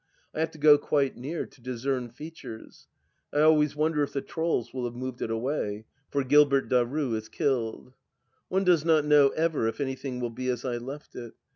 I have to go quite near, to discern features. I always wonder if the trolls will have moved it away ? For Gilbert Daru is killed. ... One does not know ever if anything will be as I left it